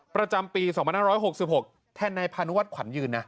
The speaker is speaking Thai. ประจำปี๒๕๖๖แทนนายพานุวัฒนขวัญยืนนะ